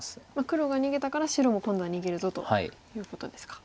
黒が逃げたから白も今度は逃げるぞということですか。